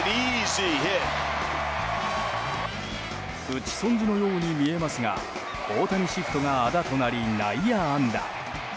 打ち損じのように見えますが大谷シフトがあだとなり内野安打。